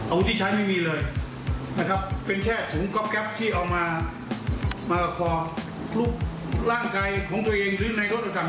อาวุธที่ใช้ไม่มีเลยนะครับเป็นแค่ถุงก๊อบแก๊ปที่เอามามากับความลูกร่างกายของตัวเอง